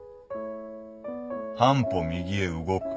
半歩右へ動く。